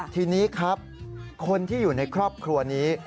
ทีนี้ครับคนที่อยู่ในครอบครัวนี้